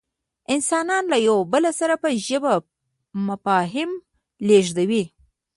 انسانان له یو بل سره په ژبه مفاهیم لېږدوي.